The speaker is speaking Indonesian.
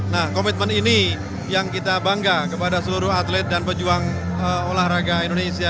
nah komitmen ini yang kita bangga kepada seluruh atlet dan pejuang olahraga indonesia